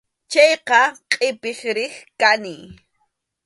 Chayqa qʼipiq riq kani.